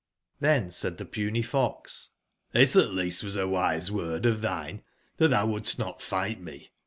JRBJV said the puny fox :'' ^his at least was :i a wise word of thine, that thou wouldst not fight me.